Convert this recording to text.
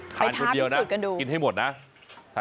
ไปทานพิสูจน์กันดูทานคนเดียวนะกินให้หมดนะ